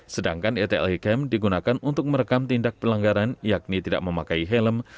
sedangkan etl hicam digunakan untuk merekam tindak pelanggaran yakni tidak memakai helm